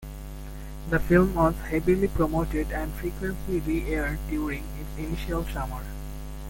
The film was heavily promoted and frequently re-aired during its initial summer.